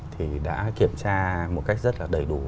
thì đã kiểm tra một cách rất là đầy đủ